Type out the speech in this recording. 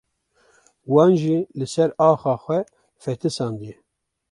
wan jî li ser axa xwe fetisandiye